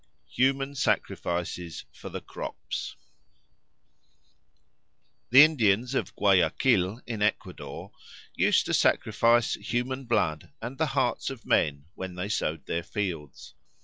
3. Human Sacrifices for the Crops THE INDIANS of Guayaquil, in Ecuador, used to sacrifice human blood and the hearts of men when they sowed their fields.